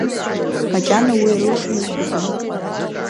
Макьана уи рылшоны збаӡом.